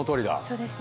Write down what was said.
そうですね。